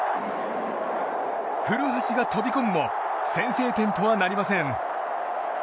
古橋が飛び込むも先制点とはなりません。